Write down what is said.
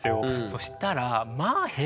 そしたらまあえ。